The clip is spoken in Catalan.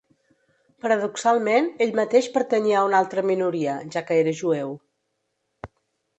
Paradoxalment, ell mateix pertanyia a una altra minoria, ja que era jueu.